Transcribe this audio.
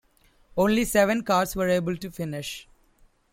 Only seven cars were able to finish.